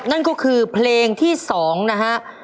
นั่นก็คือเพลงที่สองนะครับ